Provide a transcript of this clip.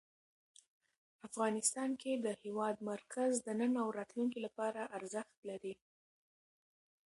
افغانستان کې د هېواد مرکز د نن او راتلونکي لپاره ارزښت لري.